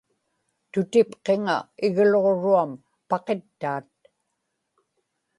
tutipqiŋa igluġruam paqittaat